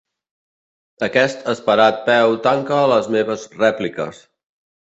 Aquest esperat peu tanca les meves rèpliques.